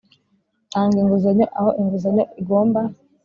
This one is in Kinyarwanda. tanga inguzanyo aho inguzanyo igomba